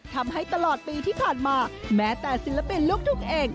ทำให้ตลอดปีที่ผ่านมาแม้แต่ศิลปินลูกทุ่งเอง